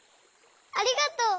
ありがとう！